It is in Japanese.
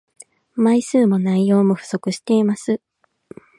枚数も内容も不足しています